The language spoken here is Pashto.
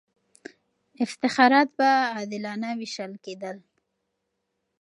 افتخارات به عادلانه وېشل کېدله.